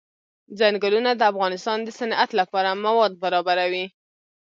ځنګلونه د افغانستان د صنعت لپاره مواد برابروي.